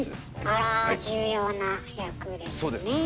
あら重要な役ですね。